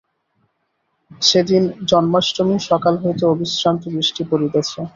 সেদিন জন্মাষ্টমী, সকাল হইতে অবিশ্রান্ত বৃষ্টি পড়িতেছে।